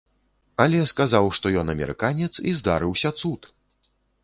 Але сказаў, што ён амерыканец, і здарыўся цуд!